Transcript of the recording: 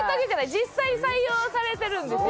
実際に採用されてるんですよ。